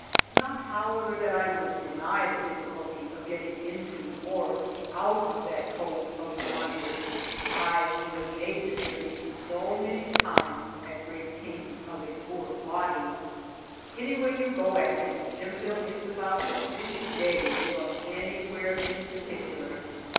Not how ever that I would deny the difficulty of get ting into or out of that cove of reminder, I who have made the journey so many times C at great pains of a poor body. Any way you go at it, Jimville is about three days from anywhere in particular.